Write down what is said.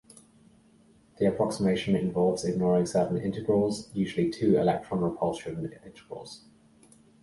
The approximation involves ignoring certain integrals, usually two-electron repulsion integrals.